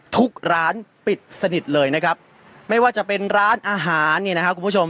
ทุกร้านปิดสนิทเลยนะครับไม่ว่าจะเป็นร้านอาหารเนี่ยนะครับคุณผู้ชม